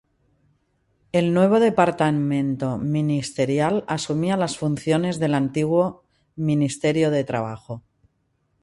El nuevo departamento ministerial asumía las funciones del antiguo Ministerio de Trabajo.